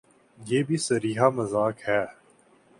یہ بھی صریحا مذاق ہے۔